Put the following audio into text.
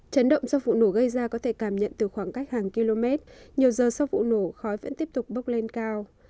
chấn động do vụ nổ gây ra có thể cảm nhận từ khoảng cách hàng km nhiều giờ sau vụ nổ khói vẫn tiếp tục bốc lên cao